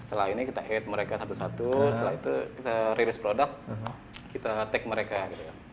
setelah ini kita add mereka satu satu setelah itu kita release product kita tag mereka gitu ya